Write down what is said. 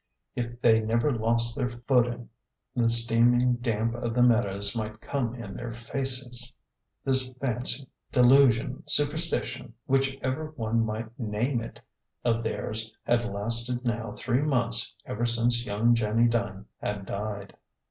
If they never lost their footing, the steaming damp of the meadows might come in their faces. This fancy, delusion, superstition, whichever one might name it, of theirs had lasted now three months ever since young Jenny Dunn had died.